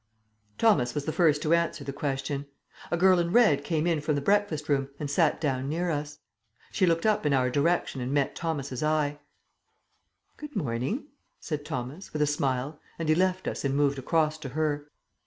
Thomas was the first to answer the question. A girl in red came in from the breakfast room and sat down near us. She looked up in our direction and met Thomas's eye. "Good morning," said Thomas, with a smile, and he left us and moved across to her.